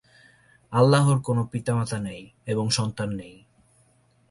আল্লাহর কোন পিতা-মাতা নেই এবং সন্তান নেই।